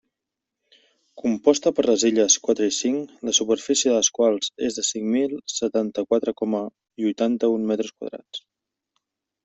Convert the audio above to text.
Composta per les illes quatre i cinc, la superfície de les quals és de cinc mil setanta-quatre coma huitanta-un metres quadrats.